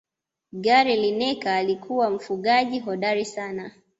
gary lineker alikuwa mfungaji hodari sana